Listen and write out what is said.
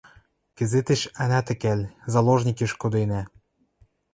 – Кӹзӹтеш ана тӹкӓл, заложникеш коденӓ.